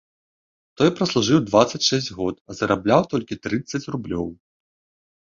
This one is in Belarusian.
Той праслужыў дваццаць шэсць год, а зарабляў толькі трыццаць рублёў.